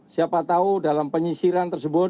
siapa tahu dalam penyisiran tersebut